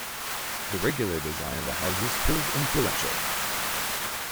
The regular design of the houses proved influential.